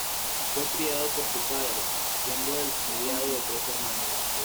Fue criado por su padre, siendo el mediado de tres hermanos.